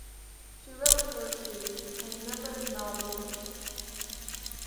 She wrote poetry and a number of novels.